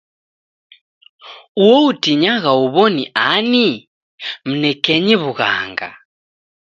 Uo utinyagha huw'o ni ani? Mnekenyi w'ughanga.